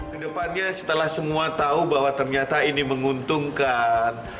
kedepannya setelah semua tahu bahwa ternyata ini menguntungkan